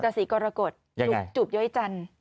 สีกรกฎจูบย้อยจันทร์